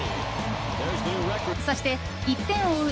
そして、１点を追う